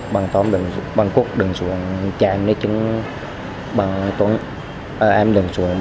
bằng tóm đường xuống bằng quốc đường xuống chạy đến chứng bằng tóm em đường xuống